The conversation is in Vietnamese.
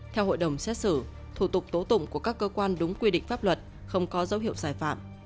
theo hội đồng xét xử thủ tục tố tụng của các cơ quan đúng quy định pháp luật không có dấu hiệu sai phạm